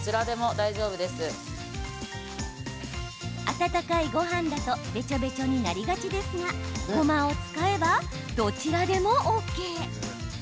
温かいごはんだとべちょべちょになりがちですがごまを使えば、どちらでもＯＫ！